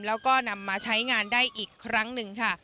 แล้วก็นำมาใช้งานได้อีกครั้งหนึ่งค่ะ